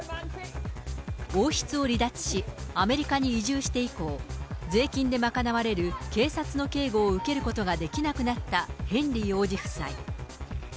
王室を離脱し、アメリカに移住して以降、税金で賄われる警察の警護を受けることができなくなったヘンリー王子夫妻。